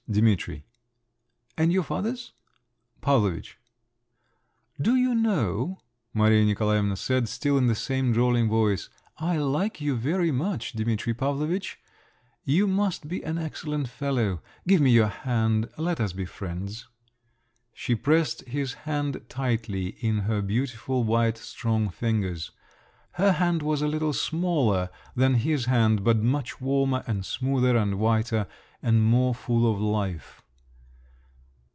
"Dimitri." "And your father's?" "Pavlovitch." "Do you know," Maria Nikolaevna said, still in the same drawling voice, "I like you very much, Dimitri Pavlovitch. You must be an excellent fellow. Give me your hand. Let us be friends." She pressed his hand tightly in her beautiful, white, strong fingers. Her hand was a little smaller than his hand, but much warmer and smoother and whiter and more full of life.